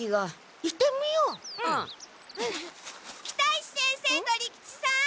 北石先生と利吉さん！